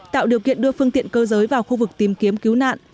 tạo điều kiện đưa phương tiện cơ giới vào khu vực tìm kiếm cứu nạn